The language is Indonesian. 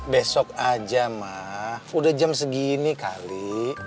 besok aja mah udah jam segini kali